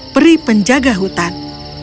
peri penjaga hutan